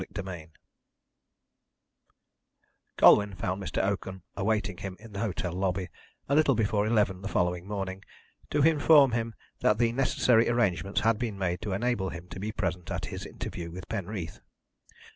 CHAPTER XXIII Colwyn found Mr. Oakham awaiting him in the hotel lobby, a little before eleven the following morning, to inform him that the necessary arrangements had been made to enable him to be present at his interview with Penreath.